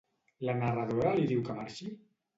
La narradora li diu que marxi?